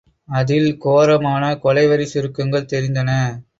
அதில் கோரமான கொலைவெறிச் சுருக்கங்கள் தெரிந்தன.